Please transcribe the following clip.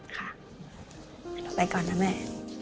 ค่ะเราไปก่อนนะแม่